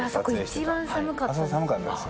一番寒かったですよ。